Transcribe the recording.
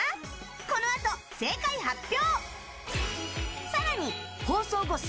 このあと、正解発表！